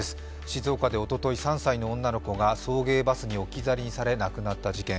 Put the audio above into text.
静岡でおととい３歳の女の子が送迎バスに置き去りにされ亡くなった事件。